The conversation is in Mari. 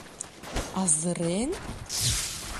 Азырен?..